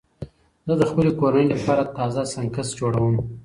زه د خپلې کورنۍ لپاره تازه سنکس جوړوم.